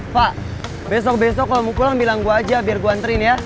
pak besok besok kalau mau pulang bilang gue aja biar gue anterin ya